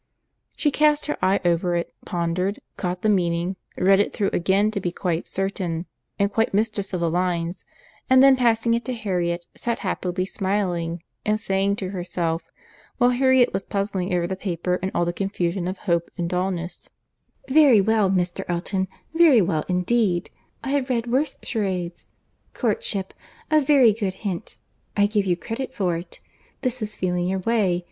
She cast her eye over it, pondered, caught the meaning, read it through again to be quite certain, and quite mistress of the lines, and then passing it to Harriet, sat happily smiling, and saying to herself, while Harriet was puzzling over the paper in all the confusion of hope and dulness, "Very well, Mr. Elton, very well indeed. I have read worse charades. Courtship—a very good hint. I give you credit for it. This is feeling your way.